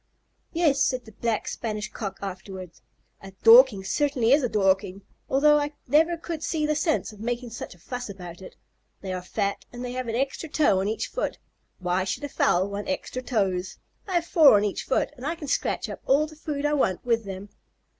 "Yes," said the Black Spanish Cock afterward, "a Dorking certainly is a Dorking, although I never could see the sense of making such a fuss about it. They are fat and they have an extra toe on each foot. Why should a fowl want extra toes? I have four on each foot, and I can scratch up all the food I want with them."